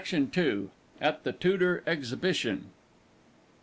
At the Tudor Exhibition.